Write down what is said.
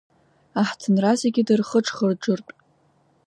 Аҳҭынра зегьы дырхыџхыџыртә.